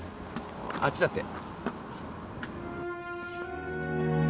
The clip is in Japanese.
あっちだって。